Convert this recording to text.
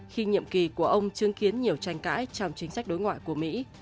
khi nhiệm kỳ của ông chứng kiến nhiều tranh cãi trong chính sách đối ngoại của mỹ